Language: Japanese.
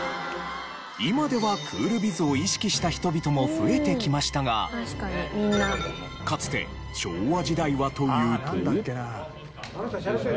今ではクールビズを意識した人々も増えてきましたがかつて昭和時代はというと。